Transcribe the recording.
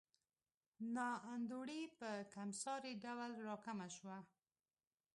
نا انډولي په کمسارې ډول راکمه شوه.